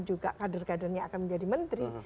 juga kader kadernya akan menjadi menteri